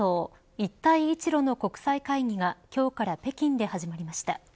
一帯一路の国際会議が今日から北京で始まりました。